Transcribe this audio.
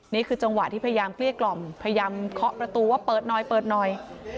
นี่คือจังหวะที่พยายามเครียดกล่อมพยายามเคาะประตูว่าเปิดน้อย